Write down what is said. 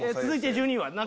「続いて１２位は！」